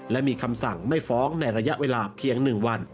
และมีคำสั่งไม่ฟ้องในระยะเวลาเพียง๑วัน